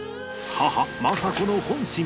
母政子の本心。